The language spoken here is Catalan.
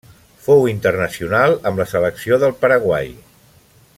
Fou internacional amb la selecció del Paraguai.